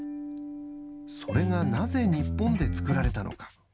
それがなぜ日本で作られたのか。